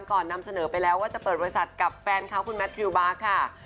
นำเสนอไปแล้วว่าจะเปิดบริษัทกับแฟนเขาคุณแมททิวบาร์ค่ะ